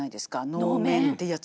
能面っていうやつ。